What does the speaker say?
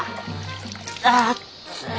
あっつい。